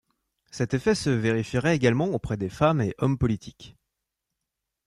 Cet effet se vérifierait également auprès des femmes et hommes politiques.